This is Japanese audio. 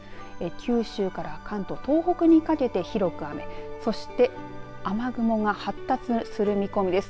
九州から関東東北にかけて広く雨そして雨雲が発達する見込みです。